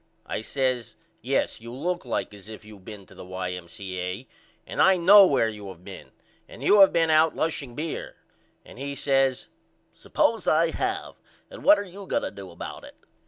I says Yes you look like as if you had been to the Y.M.C.A. and I know where you have been and you have been out lushing beer. And he says Suppose I have and what are you going to do about it?